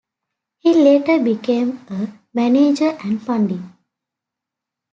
He later became a manager and pundit.